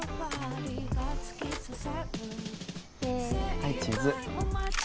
はいチーズ